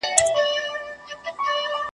دوه لاسونه پر دوو پښو باندي روان وو .